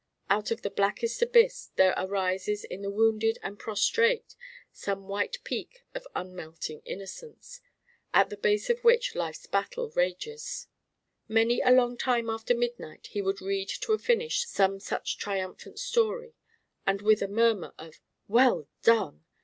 Out of the blackest abyss there arises in the wounded and prostrate some white peak of unmelting innocence at the base of which Life's battle rages. Many a time long after midnight he would read to a finish some such triumphant story; and with a murmur of "Well done!"